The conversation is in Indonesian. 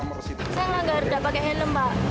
saya menganggar tidak pakai helm pak